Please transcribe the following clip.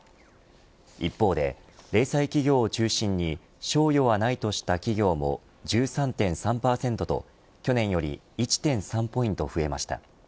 一方で零細企業を中心に賞与はないとした企業も１３．３％と去年より１．３ポイント増えました。